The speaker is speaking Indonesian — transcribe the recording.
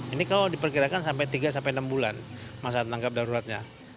ini kalau diperkirakan sampai tiga sampai enam bulan masa tanggap daruratnya